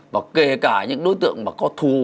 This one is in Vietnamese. và kể cả những đối tượng mà có thù